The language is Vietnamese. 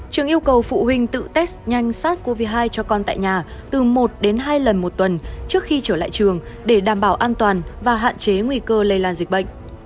trường yêu cầu phụ huynh tự test nhanh sars cov hai cho con tại nhà từ một đến hai lần một tuần trước khi trở lại trường để đảm bảo an toàn và hạn chế nguy cơ lây lan dịch bệnh